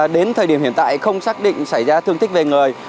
đến thời điểm hiện tại không xác định xảy ra thương tích về người